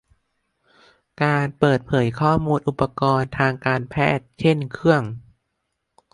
การเปิดเผยข้อมูลอุปกรณ์ทางการแพทย์เช่นเครื่อง